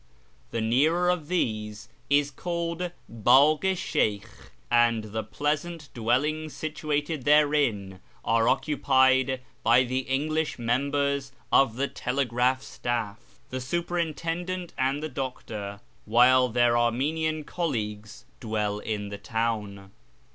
The nearer of these is called Bdyh i Slieykh, and the pleasant dwellings situated therein are occupied by the English members of the telegraph staff, the Superintendent, and the Doctor, while their Armenian colleagues dwell in the town.